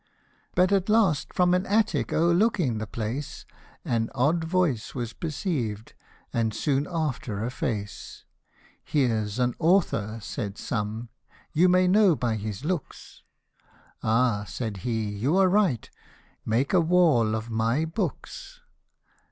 But at last from an attic o'erlooking the place, An odd voice was perceived, and soon after a face ; He's an author, said some, you may know by his looks ;" Ah !" said he, " you are right ; make a wall of my books